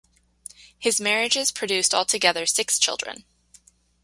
His marriages produced altogether six children.